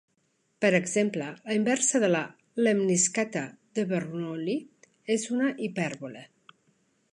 Per exemple, la inversa de la lemniscata de Bernoulli és una hipèrbole.